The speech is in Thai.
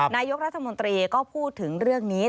นายกรัฐมนตรีก็พูดถึงเรื่องนี้